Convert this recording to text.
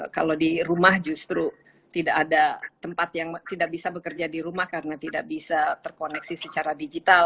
kalau di rumah justru tidak ada tempat yang tidak bisa bekerja di rumah karena tidak bisa terkoneksi secara digital